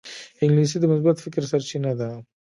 انګلیسي د مثبت فکر سرچینه ده